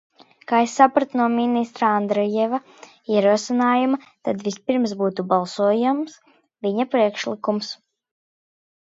Kā es sapratu no ministra Andrejeva ierosinājuma, tad vispirms būtu balsojams viņa priekšlikums.